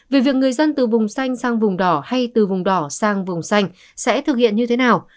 về việc người dân từ vùng xanh sang vùng đỏ hay từ vùng đỏ sang vùng xanh sẽ thực hiện như thế nào